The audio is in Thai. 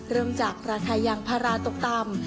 เริ่มจากราคายางพาราตกต่ำ